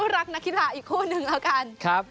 รักนักกีฬาอีกคู่หนึ่งแล้วกัน